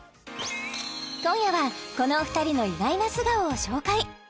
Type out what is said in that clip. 今夜はこのお二人の意外な素顔を紹介